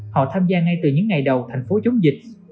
họ tham gia ngay từ những ngày đầu thành phố chống dịch